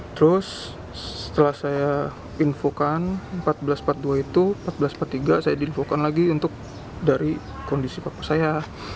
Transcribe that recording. terus setelah saya infokan seribu empat ratus empat puluh dua itu empat belas empat puluh tiga saya diinfokan lagi untuk dari kondisi bapak saya